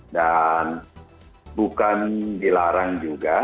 dan bukan dilarang juga